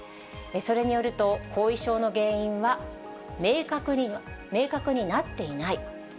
それによると、後遺症の原因は明確になっていない。